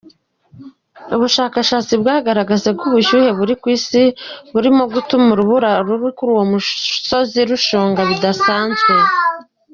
Ubushakashatsi bwagaragaje ko ubushyuhe bw’isi buri gutuma urubura kuri uwo musozi rushonga bidasanzwe.